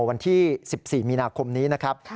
วันที่๑๔มีนาคมนี้นะครับ